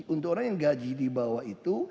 untuk orang yang gaji di bawah itu